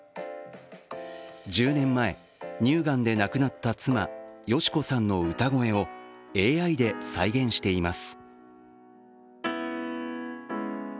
１０年前、乳がんで亡くなった妻、敏子さんの歌声をＡＩで再現しています。